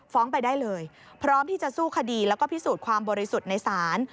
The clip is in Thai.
ไปได้เลยพร้อมที่จะสู้คดีแล้วก็พิสูจน์ความบริสุทธิ์ในศาล